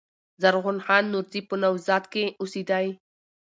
زرغون خان نورزي په "نوزاد" کښي اوسېدﺉ.